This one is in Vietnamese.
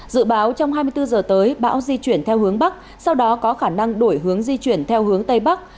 dự báo trong hai mươi bốn giờ tới bão di chuyển theo hướng bắc sau đó có khả năng đổi hướng di chuyển theo hướng tây bắc